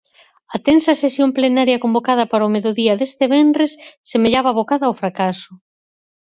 A tensa sesión plenaria convocada para o mediodía deste venres semellaba abocada ao fracaso.